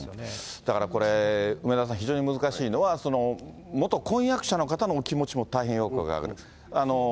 だからこれ、梅沢さん、非常に難しいのは、元婚約者の方のお気持ちも大変よく分かる。